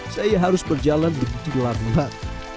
saya harus berjalan begitu lama